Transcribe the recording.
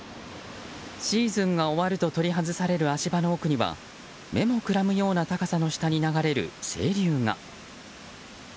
シーズンが終わると取り外される足場の奥には目もくらむような高さの下に流れる清流が。